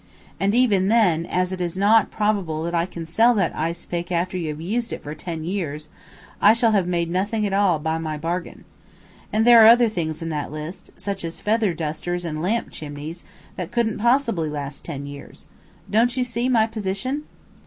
And even then, as it is not probable that I can sell that ice pick after you have used it for ten years, I shall have made nothing at all by my bargain. And there are other things in that list, such as feather dusters and lamp chimneys, that couldn't possibly last ten years. Don't you see my position?"